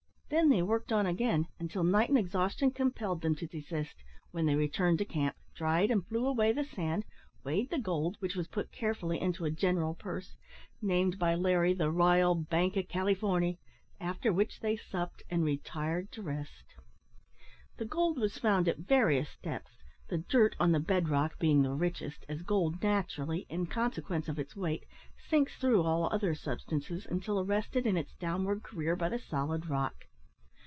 Then they worked on again until night and exhaustion compelled them to desist; when they returned to camp, dried and blew away the sand, weighed the gold, which was put carefully into a general purse named by Larry the "R'yal Bank o' Calyforny" after which they supped, and retired to rest. The gold was found at various depths, the "dirt" on the bed rock being the richest, as gold naturally, in consequence of its weight, sinks through all other substances, until arrested in its downward career by the solid rock.